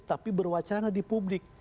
tapi berwacana di publik